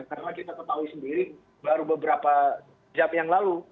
karena kita ketahui sendiri baru beberapa jam yang lalu